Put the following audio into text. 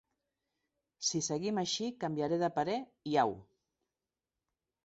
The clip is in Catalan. Si seguim així canviaré de parer i au.